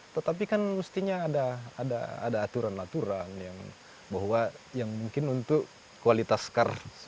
tetapi kan mestinya ada aturan aturan yang bahwa yang mungkin untuk kualitas karya